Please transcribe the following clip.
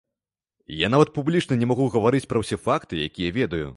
Я нават публічна не магу гаварыць пра ўсе факты, якія ведаю.